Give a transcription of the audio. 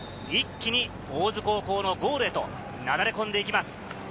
一気に大津高校のゴールへとなだれ込んでいきます。